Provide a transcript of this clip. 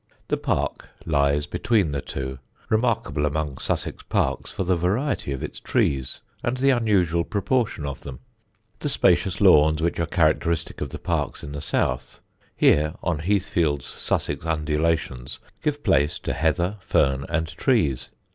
The park lies between the two, remarkable among Sussex parks for the variety of its trees and the unusual proportion of them. The spacious lawns which are characteristic of the parks in the south, here, on Heathfield's sandy undulations, give place to heather, fern and trees.